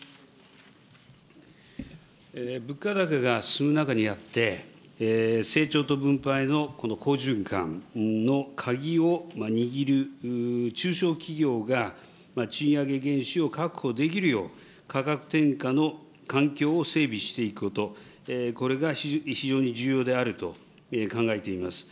物価高が進む中にあって、成長と分配のこの好循環の鍵を握る中小企業が賃上げ原資を確保できるよう、価格転嫁の環境を整備していくこと、これが非常に重要であると考えています。